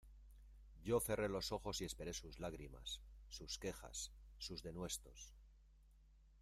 yo cerré los ojos y esperé sus lágrimas, sus quejas , sus denuestos